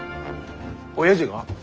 おやじが？